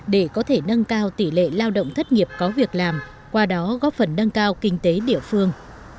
để có thể nâng cao tỷ lệ lao động thất nghiệp có việc làm qua đó góp phần nâng cao kinh tế địa phương